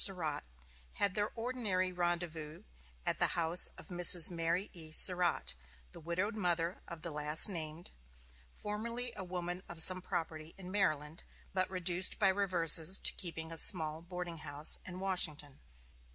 Surratt, had their ordinary rendezvous at the house of Mrs. Mary E. Surratt, the widowed mother of the last named, formerly a woman of some property in Maryland, but reduced by reverses to keeping a small boarding house in Washington.